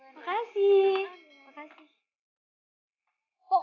namasih makasih makasih